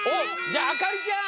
じゃああかりちゃん！